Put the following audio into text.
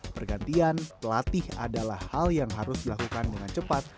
pergantian pelatih adalah hal yang harus dilakukan dengan cepat